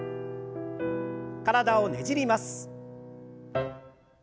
体をねじります。